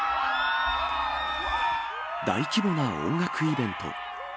大規模な音楽イベント。